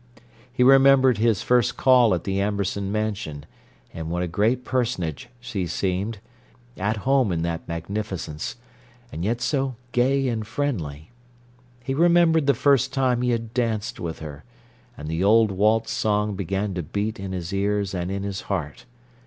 He remembered his first call at the Amberson Mansion, and what a great personage she seemed, at home in that magnificence; and yet so gay and friendly. He remembered the first time he had danced with her—and the old waltz song began to beat in his ears and in his heart.